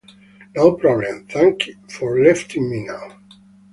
No problem; thanks for letting me know.